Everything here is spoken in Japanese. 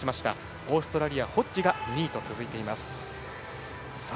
オーストラリア、ホッジが２位と続いています。